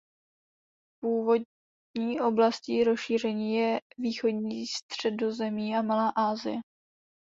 Původní oblastí rozšíření je východní Středozemí a Malá Asie.